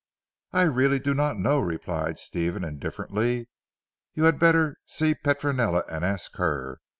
"I really do not know," replied Stephen indifferently, "you had better see Petronella and ask her.